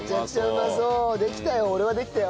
できたよ。